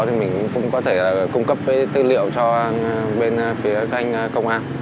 thì mình cũng có thể cung cấp tư liệu cho bên phía các anh công an